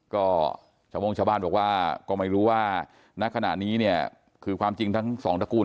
ก็ชาวโม่งชาวบ้านบอกว่าก็ไม่รู้ว่าณขณะนี้เนี่ยคือความจริงทั้งสองตระกูล